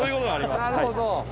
なるほど。